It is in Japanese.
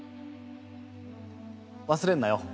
忘れんなよ